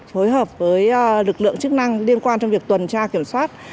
phối hợp với lực lượng chức năng liên quan trong việc tuần tra kiểm soát